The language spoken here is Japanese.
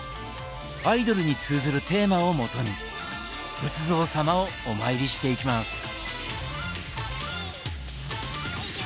アイドルに通ずるテーマをもとに仏像様をお参りしていきます。